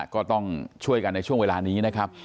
ก็ต้องช่วยกันในช่วงเวลานี้นะครับ